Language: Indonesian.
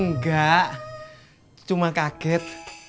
nggak cuma kaget